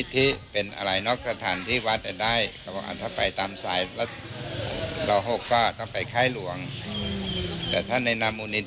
ตั้งแต่มีวัดนี้ไม่ใช่งานใหญ่